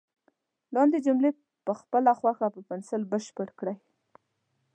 لاندې جملې په خپله خوښه په پنسل بشپړ کړئ.